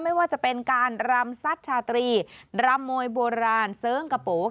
ไม่ว่าจะเป็นการรำซัดชาตรีรำมวยโบราณเสิร์งกระโปร